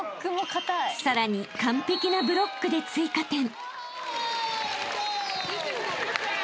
［さらに完璧なブロックで追加点］